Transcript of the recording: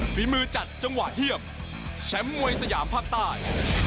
ฝีมือจัดจังหวะเฮียบแชมป์มวยสยามภาคใต้